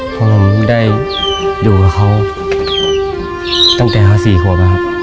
ผมได้อยู่กับเขาตั้งแต่เขา๔ขวบราบ